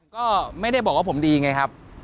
ก็ไม่ได้บอกว่าผมดีไงครับ